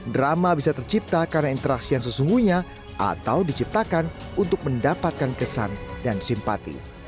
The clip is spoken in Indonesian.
drama bisa tercipta karena interaksi yang sesungguhnya atau diciptakan untuk mendapatkan kesan dan simpati